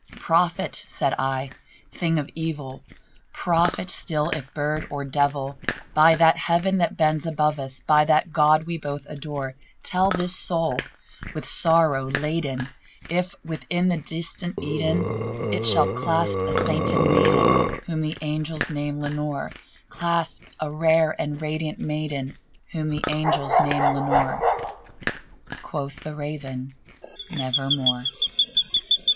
"Prophet!" said I, "thing of evil! prophet still, if bird or devil! By that Heaven that bends above us by that God we both adore Tell this soul with sorrow laden if, within the distant Aidenn, It shall clasp a sainted maiden whom the angels name Lenore Clasp a rare and radiant maiden whom the angels name Lenore." Quoth the Raven, "Nevermore."